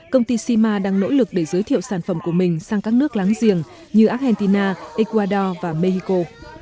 công ty cima đang nỗ lực để giới thiệu sản phẩm của mình sang các nước láng giềng như argentina ecuador và mexico